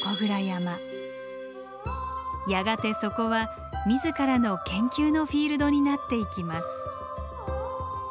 やがてそこは自らの研究のフィールドになっていきます。